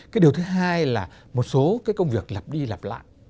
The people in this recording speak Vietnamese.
cái điều thứ hai là một số cái công việc lặp đi lặp lại